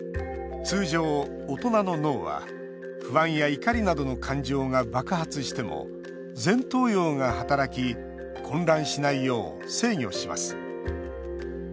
通常、大人の脳は不安や怒りなどの感情が爆発しても前頭葉が働き混乱しないよう制御します。